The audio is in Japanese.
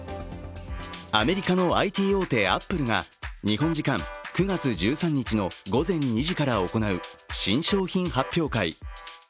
アメリカのＩＴ大手アップルが日本時間９月１３日の午前２時から行う新商品発表会。